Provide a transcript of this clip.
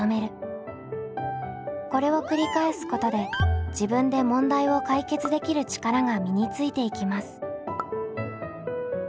これを繰り返すことで「自分で問題を解決できる力」が身についていきます。